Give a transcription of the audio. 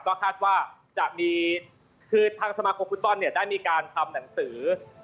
ก็คาดว่าจะมีคือทางสมาคมฟุตบอลเนี่ยได้มีการทำหนังสือ